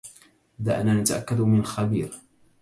دعنا نتأكد من خبير.